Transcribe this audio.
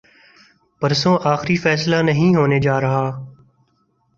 پرسوں آخری فیصلہ نہیں ہونے جارہا۔